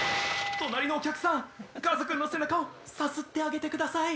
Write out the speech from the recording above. ・・隣のお客さんカズ君の背中をさすってあげてください